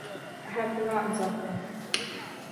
I have forgotten something.